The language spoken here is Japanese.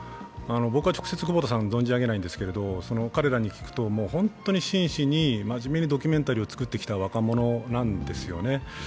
僕は直接久保田さん存じ上げないんですけれども、彼らに聞くと、本当に真摯にまじめにドキュメンタリーを作ってきた若者なんですよね。